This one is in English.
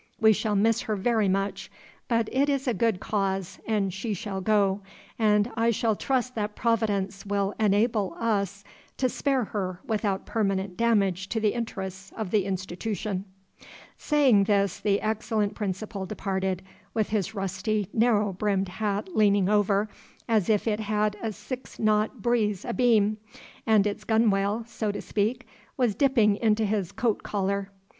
We shall miss her very much; but it is a good cause, and she shall go, and I shall trust that Providence will enable us to spare her without permanent demage to the interests of the Institootion." Saying this, the excellent Principal departed, with his rusty narrow brimmed hat leaning over, as if it had a six knot breeze abeam, and its gunwale (so to speak) was dipping into his coat collar.